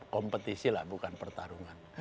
kompetisi lah bukan pertarungan